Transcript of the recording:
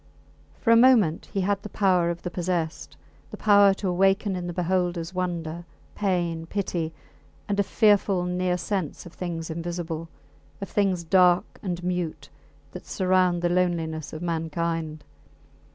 For a moment he had the power of the possessed the power to awaken in the beholders wonder, pain, pity, and a fearful near sense of things invisible, of things dark and mute, that surround the loneliness of mankind.